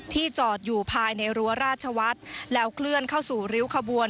จอดอยู่ภายในรั้วราชวัฒน์แล้วเคลื่อนเข้าสู่ริ้วขบวน